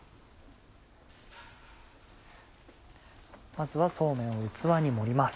まずはそうめんを器に盛ります。